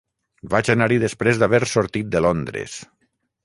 Vaig anar-hi després d'haver sortit de Londres.